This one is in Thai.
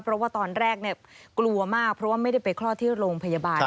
เพราะว่าตอนแรกกลัวมากเพราะว่าไม่ได้ไปคลอดที่โรงพยาบาล